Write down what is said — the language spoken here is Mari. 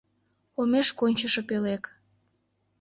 Омеш кончышо пöлек